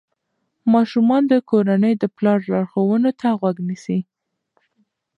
ماشومان د کورنۍ د پلار لارښوونو ته غوږ نیسي.